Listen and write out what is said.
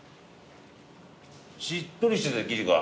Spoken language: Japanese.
しっとりしてて生地が。